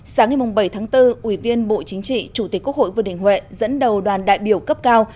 sáng ngày bảy tháng bốn ủy viên bộ chính trị chủ tịch quốc hội vương đình huệ dẫn đầu đoàn đại biểu cấp cao